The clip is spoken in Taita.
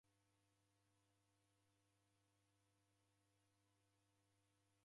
Hata kusekemghoria.